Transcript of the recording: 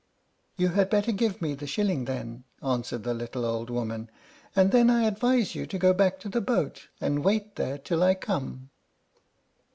"You had better give me the shilling, then," answered the little old woman; "and then I advise you to go back to the boat, and wait there till I come."